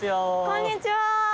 こんにちは。